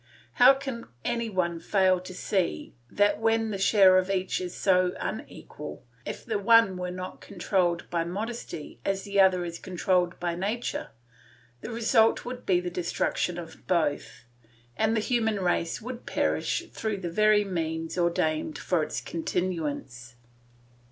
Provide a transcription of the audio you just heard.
How can any one fail to see that when the share of each is so unequal, if the one were not controlled by modesty as the other is controlled by nature, the result would be the destruction of both, and the human race would perish through the very means ordained for its continuance?